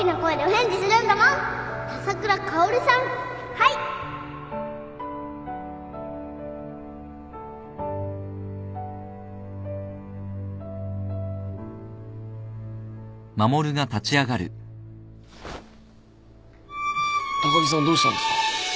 はい高木さんどうしたんですか？